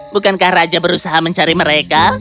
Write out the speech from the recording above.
bukankah raja berusaha mencari mereka